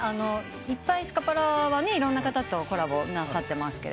いっぱいスカパラはいろんな方とコラボなさってますけれども。